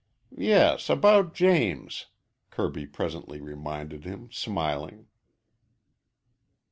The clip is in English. "Yes, about James," Kirby presently reminded him, smiling.